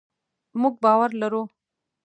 مونږ باور لرو